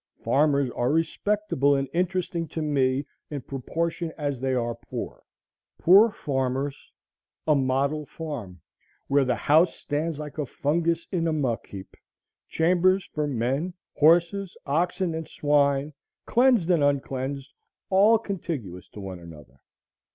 Farmers are respectable and interesting to me in proportion as they are poor,—poor farmers. A model farm! where the house stands like a fungus in a muck heap, chambers for men, horses, oxen, and swine, cleansed and uncleansed, all contiguous to one another!